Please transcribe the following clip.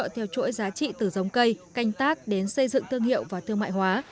theo chuỗi giá trị từ giống cây canh tác đến xây dựng thương hiệu và thương mại hóa